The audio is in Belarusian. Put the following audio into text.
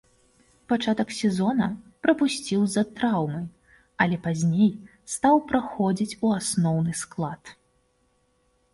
Пачатак сезона прапусціў з-за траўмы, але пазней стаў праходзіць у асноўны склад.